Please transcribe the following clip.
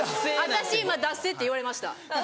私今「だっせ」って言われました。